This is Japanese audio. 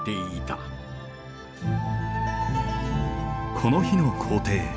この日の行程。